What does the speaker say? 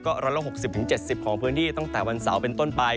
๑๖๐๗๐ของพื้นที่ตั้งแต่วันเสาร์เป็นต้นไป